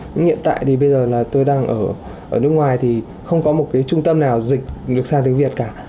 nhưng hiện tại thì bây giờ là tôi đang ở nước ngoài thì không có một cái trung tâm nào dịch được sang tiếng việt cả